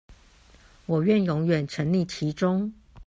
我願永遠沈溺其中